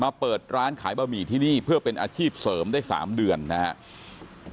เปิดร้านขายบะหมี่ที่นี่เพื่อเป็นอาชีพเสริมได้๓เดือนนะครับ